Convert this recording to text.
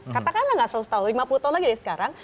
katakanlah nggak seratus tahun lima puluh tahun lagi dari sekarang